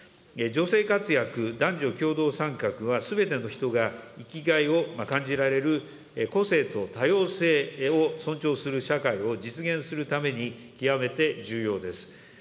女性活躍、男女共同参画はすべての人が生きがいを感じられる個性と多様性を尊重する社会を実現するために、極めて重要です。